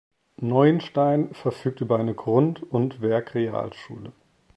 Neuenstein verfügt über eine Grund- und Werkrealschule.